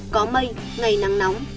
có mây ngày nắng nóng